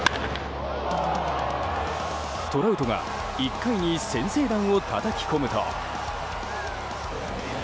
トラウトが１回に先制弾をたたき込むと。